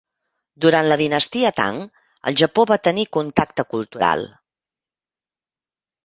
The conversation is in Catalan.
Durant la dinastia Tang, el Japó va tenir contacte cultural.